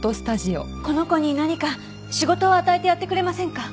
この子に何か仕事を与えてやってくれませんか？